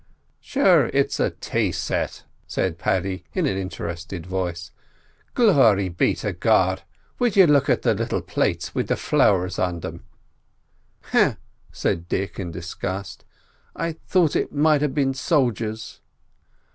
"Sure, it's a tay set!" said Paddy, in an interested voice. "Glory be to God! will you look at the little plates wid the flowers on thim?" "Heugh!" said Dick in disgust; "I thought it might a' been soldiers."